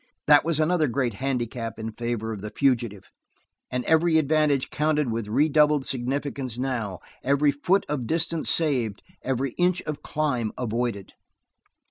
That was another great handicap in favor of the fugitive, and every advantage counted with redoubled significance now, every foot of distance saved, every inch of climb avoided.